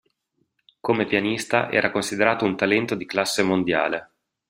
Come pianista, era considerato un talento di classe mondiale.